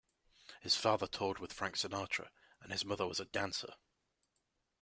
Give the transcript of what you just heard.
His father toured with Frank Sinatra and his mother was a dancer.